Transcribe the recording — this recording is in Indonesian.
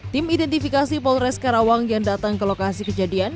tim identifikasi polres karawang yang datang ke lokasi kejadian